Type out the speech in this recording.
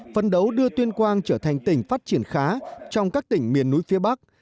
phân đấu đưa tuyên quang trở thành tỉnh phát triển khá trong các tỉnh miền núi phía bắc